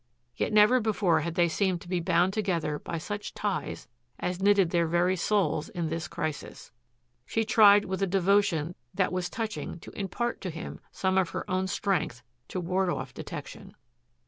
Yet never before had they seemed to be bound together by such ties as knitted their very souls in this crisis. She tried with a devotion that was touching to impart to him some of her own strength to ward off detection.